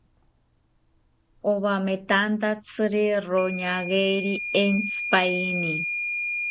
Owametanthatziri roñageri entzipaeni